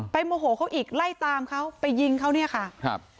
โมโหเขาอีกไล่ตามเขาไปยิงเขาเนี่ยค่ะครับ